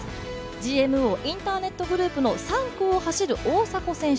ＧＭＯインターネットグループの３区を走る大迫選手